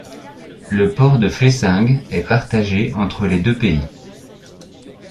Le port de Flessingue est partagé entre les deux pays.